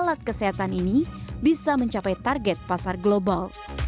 mereka juga mencari keuntungan untuk mencapai target pasar global